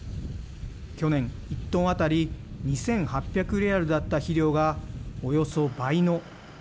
去年１トン当たり２８００レアルだった肥料がおよそ倍の５８００